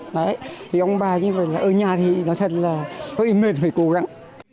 đấy thì ông bà như vậy là ơ nhà thì nó thật là hơi mệt phải cố gắng